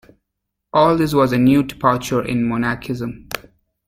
All this was a new departure in monachism.